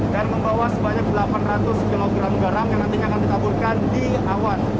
dan membawa sebanyak delapan ratus kg garam yang nantinya akan ditaburkan di awan